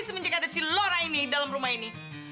semenjak ada si laura ini dalam rumah ini